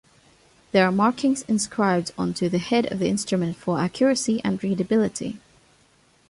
There are markings inscribed onto the head of the instrument for accuracy and readability.